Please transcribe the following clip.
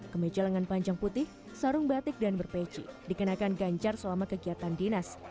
kemeja lengan panjang putih sarung batik dan berpeci dikenakan ganjar selama kegiatan dinas